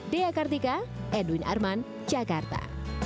dea kartika edwin arman jakarta